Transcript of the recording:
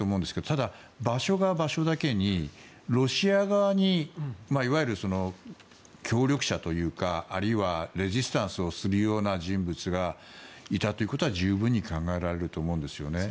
ただ、場所が場所だけにロシア側にいわゆる協力者というかあるいはレジスタンスをするような人物がいたということは十分に考えられると思うんです。